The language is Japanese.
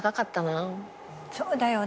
そうだよ。